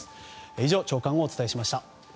以上、朝刊をお伝えしました。